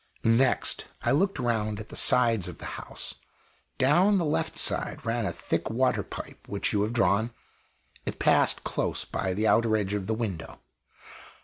Next, I looked round at the sides of the house. Down the left side ran a thick water pipe which you have drawn it passed close by the outer edge of the window.